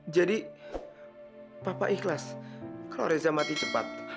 jadi papa ikhlas kalau lisa mati cepat